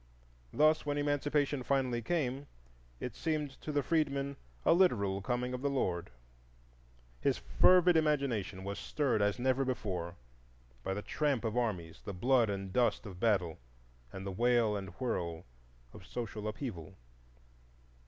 Thus, when Emancipation finally came, it seemed to the freedman a literal Coming of the Lord. His fervid imagination was stirred as never before, by the tramp of armies, the blood and dust of battle, and the wail and whirl of social upheaval.